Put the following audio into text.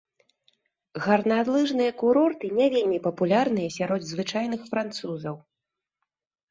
Гарналыжныя курорты не вельмі папулярныя сярод звычайных французаў.